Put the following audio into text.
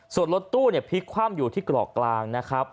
ส่วนรถตู้พลิกคว่ำอยู่ที่กรอกกลางนะครับ